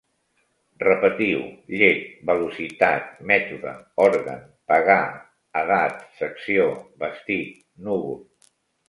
Repetiu: llet, velocitat, mètode, òrgan, pagar, edat, secció, vestit, núvol